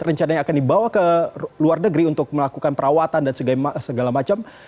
rencananya akan dibawa ke luar negeri untuk melakukan perawatan dan segala macam